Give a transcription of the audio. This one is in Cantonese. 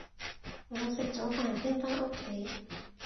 我食咗飯先返屋企